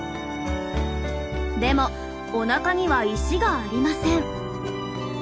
でもおなかには石がありません。